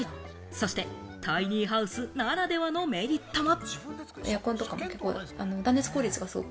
そしてタイニーハウスならではのメリットも。